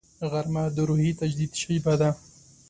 غرمه د روحي تجدید شیبه ده